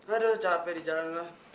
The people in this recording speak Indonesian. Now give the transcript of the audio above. aduh capek di jalan